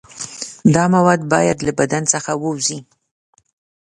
دا مواد باید له بدن څخه ووځي.